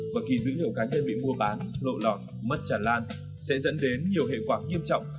và khi dữ liệu cá nhân bị mua bán lộ lọt mất chản lan sẽ dẫn đến nhiều hệ quả nghiêm trọng